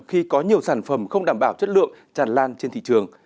khi có nhiều sản phẩm không đảm bảo chất lượng tràn lan trên thị trường